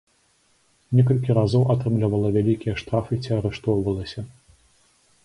Некалькі разоў атрымлівала вялікія штрафы ці арыштоўвалася.